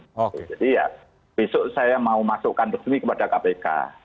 jadi ya besok saya mau masukkan resmi kepada kpk